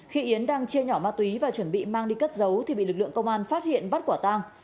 khi yến đang chia nhỏ ma túy và chuẩn bị mang đi cất giấu thì bị lực lượng công an phát hiện bắt quả tang